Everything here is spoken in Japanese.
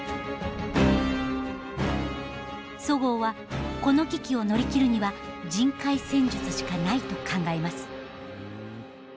十河はこの危機を乗り切るには人海戦術しかないと考えます。